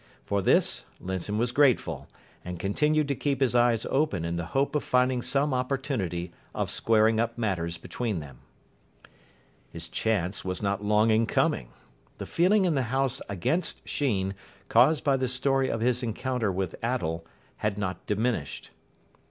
For this Linton was grateful, and continued to keep his eyes open in the hope of finding some opportunity of squaring up matters between them. His chance was not long in coming. The feeling in the house against Sheen, caused by the story of his encounter with Attell, had not diminished.